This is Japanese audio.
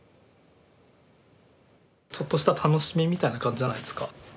ちょっとした楽しみみたいな感じじゃないですか。